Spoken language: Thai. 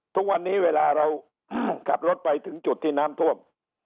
ทุกวันนี้เวลาเราขับรถไปถึงจุดที่น้ำท่วม